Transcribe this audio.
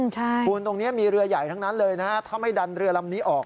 คุณตรงนี้มีเรือใหญ่ทั้งนั้นเลยนะฮะถ้าไม่ดันเรือลำนี้ออก